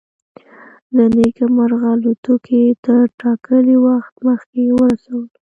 له نیکه مرغه الوتکې تر ټاکلي وخت مخکې ورسولو.